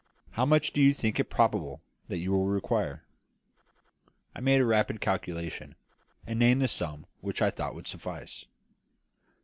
How much do you think it probable you will require?" I made a rapid calculation, and named the sum which I thought would suffice.